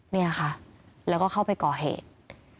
เนี่ยค่ะแล้วก็เข้าไปก่อเหตุ